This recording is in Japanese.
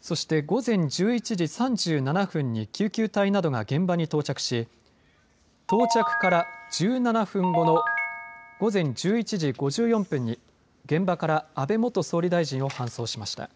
そして午前１１時３７分に救急隊などが現場に到着し到着から１７分後の午前１１時５４分に現場から安倍元総理大臣を搬送しました。